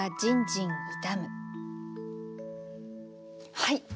はい。